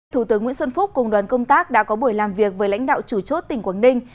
thủ tướng nguyễn xuân phúc cùng đoàn công tác đã có buổi làm việc với lãnh đạo chủ chốt tỉnh quảng ninh